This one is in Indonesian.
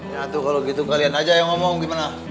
ya tuh kalau gitu kalian aja yang ngomong gimana